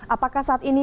apakah saat ini